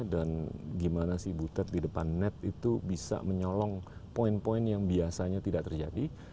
dan gimana sih butet di depan net itu bisa menyolong poin poin yang biasanya tidak terjadi